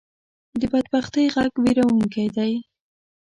د بدبختۍ غږ وېرونکې دی